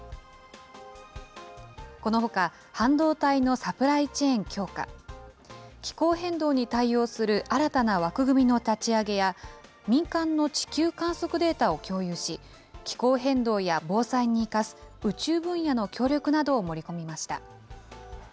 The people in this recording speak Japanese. このほか、半導体のサプライチェーン強化、気候変動に対応する新たな枠組みの立ち上げや、民間の地球観測データを共有し、気候変動や防災に生かす、宇宙分野の協力などを盛り込みました。